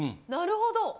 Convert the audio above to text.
なるほど！